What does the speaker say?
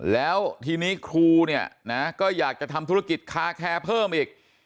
แล้วทีนี้ครูเนี่ยนะก็อยากจะทำธุรกิจคาแคร์เพิ่มอีก